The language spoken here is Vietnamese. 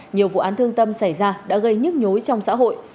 nhiều vụ án thương tâm xảy ra đã gây nhức nhối trong xã hội